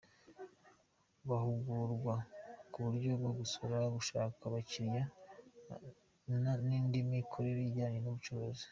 Bahugurwa ku buryo bwo gusora, gushaka abakiliya n’indi mikorere ijyanye n’ubucuruzi.